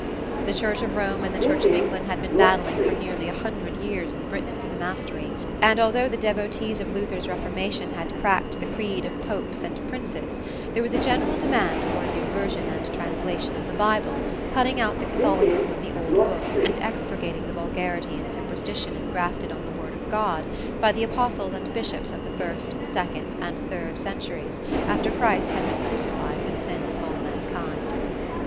The Church of Rome and the Church of England had been battling for nearly a hundred years in Britain for the mastery; and although the devotees of Luther's Reformation had cracked the creed of popes and princes, there was a general demand for a new version and translation of the Bible, cutting out the Catholicism of the old book and expurgating the vulgarity and superstition engrafted on the "Word of God" by the apostles and bishops of the first, second and third centuries, after Christ had been crucified for the sins of all mankind.